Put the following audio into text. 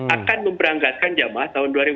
akan memberangkatkan jamaah tahun dua ribu dua puluh